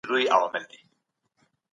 تاسو له څومره وخت راهیسې دلته کار کوئ؟